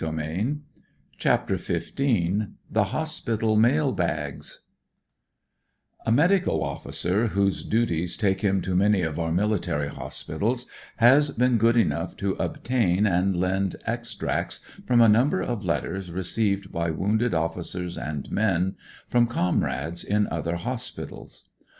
!M CHAPTER XV THE HOSPITAL MAIL BAGS A MEDICAL officer, whose duties take him to many of our miUtary hospitals, has been good enough to obtain, and lend, extracts from a number of letters received by wounded officers and men from c« rades in other hospitals.